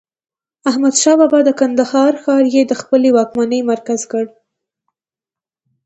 احمدشاه بابا د کندهار ښار يي د خپلې واکمنۍ مرکز کړ.